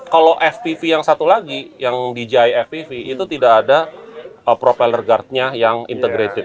kalau fpv yang satu lagi yang dj fpv itu tidak ada propeller guardnya yang integrated